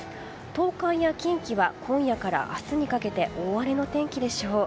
東海や近畿は今夜から明日にかけて大荒れの天気でしょう。